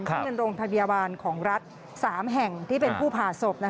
ซึ่งเป็นโรงพยาบาลของรัฐ๓แห่งที่เป็นผู้ผ่าศพ